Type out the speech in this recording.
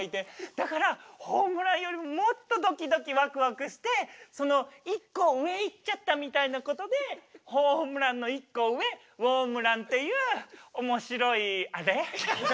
だからホームランよりももっとドキドキワクワクしてその一個上いっちゃったみたいなことでホームランの一個上ウオームランっていうおもしろいあれ？